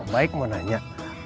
baik mau nanya